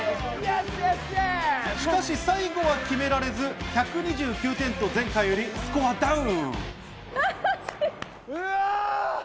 しかし最後は決められず、１２９点と前回よりもスコアダウン。